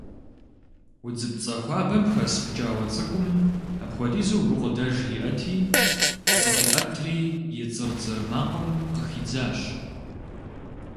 Удзыпцӏэ хуабэм хэс пкӏауэ цӏыкӏум апхуэдизу гукъыдэж иӏэти, зыкъиӏэтри, и цӏыр-цӏыр макъым къыхидзащ.